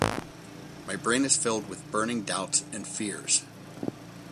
My brain is filled with burning doubts and fears.